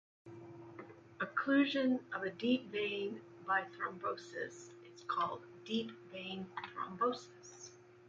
Occlusion of a deep vein by thrombosis is called "deep vein thrombosis".